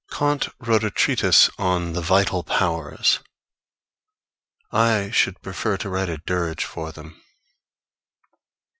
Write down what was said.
Kant wrote a treatise on The Vital Powers. I should prefer to write a dirge for them.